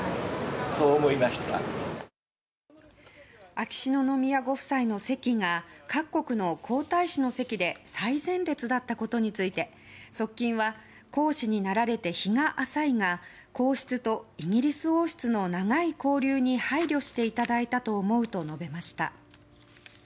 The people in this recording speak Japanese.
秋篠宮ご夫妻の席が各国の皇太子の席で最前列だったことについて側近は皇嗣になられて日が浅いが皇室とイギリス王室の長い交流に配慮していただいたと思うと述べました。